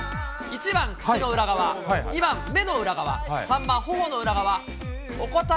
１番、口の裏側、２番、目の裏側、３番ほおの裏側。